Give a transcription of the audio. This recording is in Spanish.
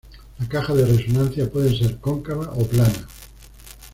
La caja de resonancia puede ser cóncava o plana.